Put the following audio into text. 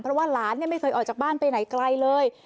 เพราะว่าหลานไม่เคยออกจากบ้านไปไหนไกลเลย